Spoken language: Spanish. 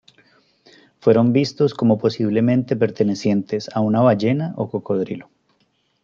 Fueron vistos como posiblemente pertenecientes a una ballena o cocodrilo.